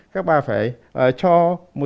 các bà phải cho